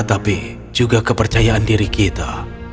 tapi juga kepercayaan diri kita